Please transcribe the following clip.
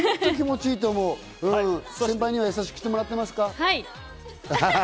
先輩には優しくしてもらってますか？